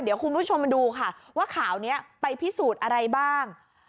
เดี๋ยวคุณผู้ชมมาดูค่ะว่าข่าวนี้ไปพิสูจน์อะไรบ้าง